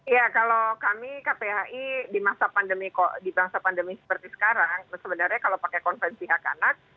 ya kalau kami kphi di masa pandemi seperti sekarang sebenarnya kalau pakai konvensi hak anak